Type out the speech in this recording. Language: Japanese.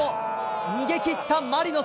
逃げきったマリノス。